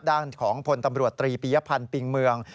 ด้านของพลตำรวจตรีปียพันธ์ปิงเมือง